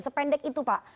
sependek itu pak